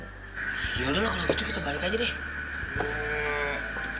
yaudah lah kalau gitu kita balik aja deh